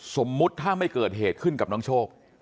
สมมุติถ้าไม่เกิดเหตุขึ้นกับน้องโชค